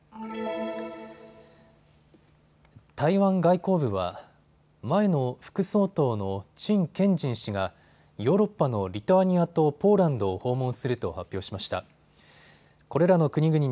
台湾外交部は前の副総統の陳建仁氏がヨーロッパのリトアニアとポーランドを訪問すると発表しました。